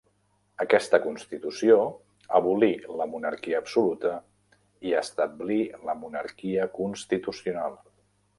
Aquesta constitució abolí la monarquia absoluta i establí la monarquia constitucional.